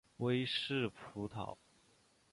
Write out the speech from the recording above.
威氏葡萄